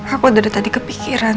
aku udah tadi kepikiran